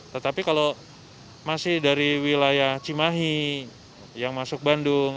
tetapi kalau masih dari wilayah cimahi yang masuk bandung